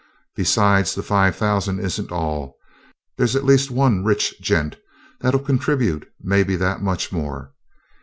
Besides, the five thousand isn't all. There's at least one rich gent that'll contribute maybe that much more.